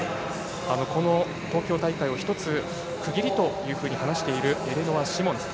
この東京大会を１つ、区切りというふうに話しているシモンズ。